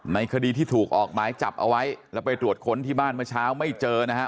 ในคดีที่ถูกออกหมายจับเอาไว้แล้วไปตรวจค้นที่บ้านเมื่อเช้าไม่เจอนะฮะ